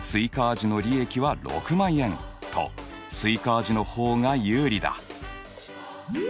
味の利益は６万円とスイカ味の方が有利だ。